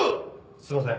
すいません。